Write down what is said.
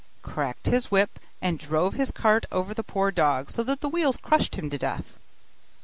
cracked his whip, and drove his cart over the poor dog, so that the wheels crushed him to death.